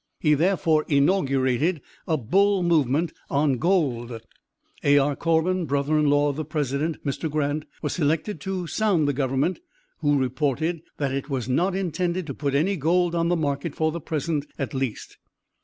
He therefore inaugurated a "bull" movement on gold. A. R. Corbin, brother in law of the President, Mr. Grant, was selected to sound the government, who reported that it was not intended to put any gold on the market for the present, at least.